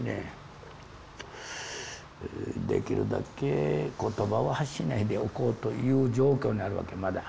できるだけ言葉を発しないでおこうという状況にあるわけまだ。